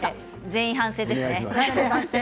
全員反省ですね。